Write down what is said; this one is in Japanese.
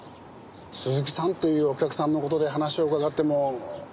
鈴木さんというお客さんの事で話を伺っても。